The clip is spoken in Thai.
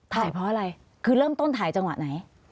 ถ่ายเพราะอะไรคือเริ่มต้นถ่ายจังหวะไหน